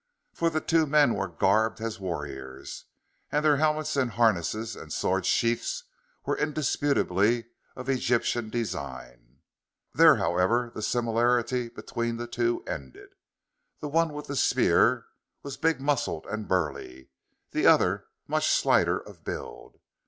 For the two men were garbed as warriors, and their helmets and harness and sword sheaths were indisputably of Egyptian design. There, however, the similarity between the two ended. The one with the spear was big muscled and burly; the other much slighter of build.